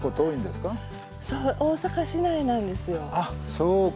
そうか。